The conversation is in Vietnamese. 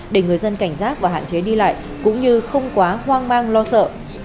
để người dân cảnh giác và hạn chế đi lại cũng như không quá hoang mang lo sợ